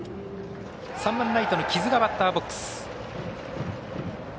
３番ライトの木津がバッターボックス。